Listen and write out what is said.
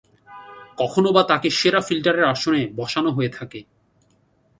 কখনোবা তাকে সেরা ফিল্ডারের আসনে বসানো হয়ে থাকে।